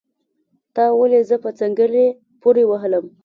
تا ولې زه په څنګلي پوري وهلم